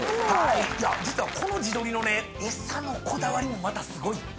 実はこの地鶏のね餌のこだわりもまたすごい。